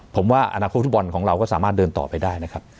ผมว่าอนาคตฟุตบอลของเราก็สามารถเดินต่อไปได้นะครับ